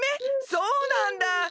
そうなんだ！